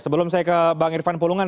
sebelum saya ke bang irfan pulungan